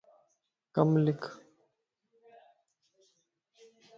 ڪم لک